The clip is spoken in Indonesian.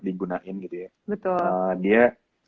digunain gitu ya dia